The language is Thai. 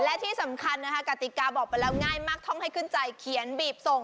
และที่สำคัญนะคะกติกาบอกไปแล้วง่ายมากท่องให้ขึ้นใจเขียนบีบส่ง